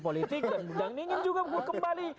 politik dan ingin juga kembali